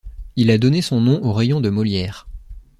Il a donné son nom au rayon de Molière.